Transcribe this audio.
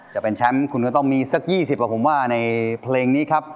จะเป็นแชมป์คุณก็ต้องมีสัก๒๐กว่าผมว่าในเพลงนี้ครับ